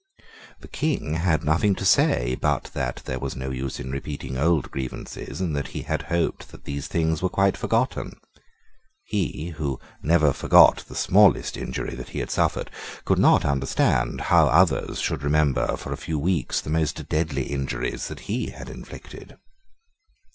The King had nothing to say but that there was no use in repeating old grievances, and that he had hoped that these things had been quite forgotten. He, who never forgot the smallest injury that he had suffered, could not understand how others should remember for a few weeks the most deadly injuries that he had inflicted.